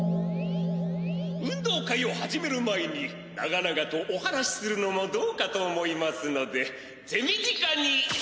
運動会を始める前に長々とお話しするのもどうかと思いますので手短に！